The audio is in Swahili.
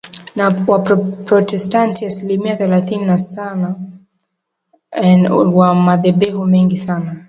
na Waprotestanti asilimia thelathini na Sana wa madhehebu mengi sana